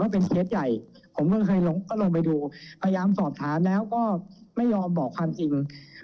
พยายามสอบถามแล้วก็ไม่ยอมบอกความจริง